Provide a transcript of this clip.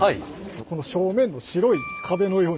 正面の白い壁のように。